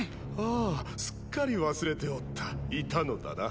あすっかり忘れておったいたのだな